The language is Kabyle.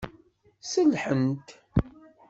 Sellḥent.